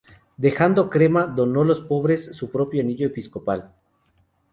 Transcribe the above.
Dejando Crema, donó a los pobres su propio anillo episcopal.